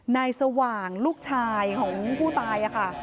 นายสว่างลูกชายของผู้ตาย